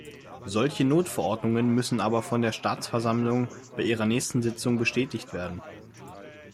Solche Notverordnungen müssen aber von der Staatsversammlung bei ihrer nächsten Sitzung bestätigt werden.